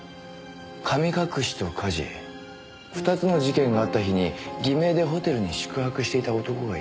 神隠しと火事２つの事件があった日に偽名でホテルに宿泊していた男がいた。